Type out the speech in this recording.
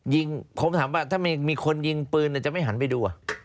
ผมถามว่าถ้ามีคนยิงปืนจะไม่หันไปดู